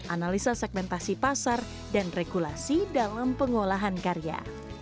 analisa segmentasi pasar dan regulasi dalam pengolahan karya